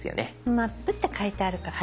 「マップ」って書いてあるから大丈夫です。